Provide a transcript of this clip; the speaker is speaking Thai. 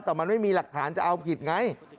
แต่มันไม่มีหลักฐานจะเอาผิดไง